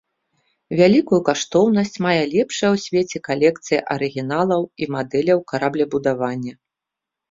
Вялікую каштоўнасць мае лепшая ў свеце калекцыя арыгіналаў і мадэляў караблебудавання.